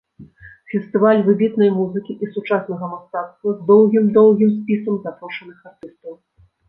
Фестываль выбітнай музыкі і сучаснага мастацтва, з доўгім-доўгім спісам запрошаных артыстаў.